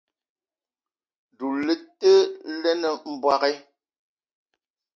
Doula le te lene mbogui.